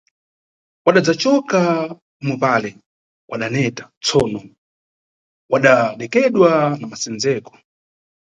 Wadadzacoka pomwepale wadaneta, tsono wadadekedwa na masendzeko.